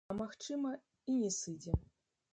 А магчыма, і не сыдзе.